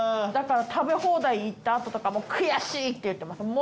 だから食べ放題行った後とかも「悔しい！」って言ってます。